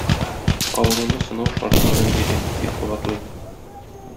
Авыруны сынау шарты белән бирә, дип кабатлый.